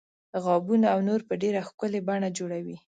غابونه او نور په ډیره ښکلې بڼه جوړوي.